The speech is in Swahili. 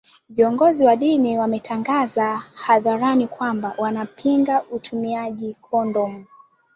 viongozi wa dini wametangaza hadharani kwamba wanapinga utumiaji kondomu